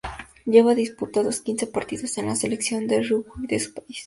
Lleva disputados quince partidos con la selección de rugby de su país.